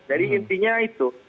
jadi intinya itu